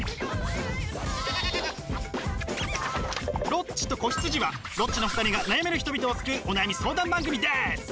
「ロッチと子羊」はロッチの２人が悩める人々を救うお悩み相談番組です！